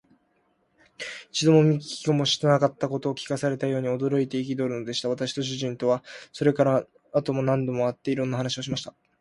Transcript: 一度も見も聞きもしなかったことを聞かされたように、驚いて憤るのでした。私と主人とは、それから後も何度も会って、いろんな話をしました。